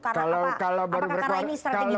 karena apakah karena ini strategi jualan